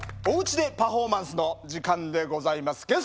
「おうちでパフォーマンス」の時間でございます。